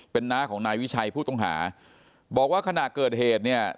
เป็นน้าของนายวิชัยผู้ต้องหาบอกว่าขณะเกิดเหตุเนี่ย